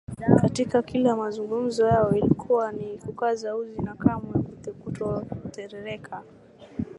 Katika kila mazungumzo yao ilikuwa ni kukaza uzi na kamwe kutotetereka